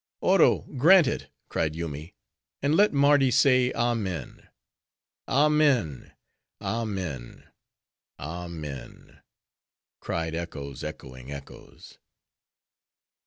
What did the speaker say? "Oro grant it!" cried Yoomy "and let Mardi say, amen!" "Amen! amen! amen!" cried echoes echoing echoes.